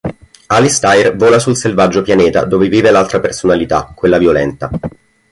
Alistair vola sul selvaggio pianeta dove vive l'altra personalità, quella violenta.